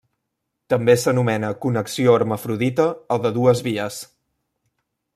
També s'anomena connexió hermafrodita o de dues vies.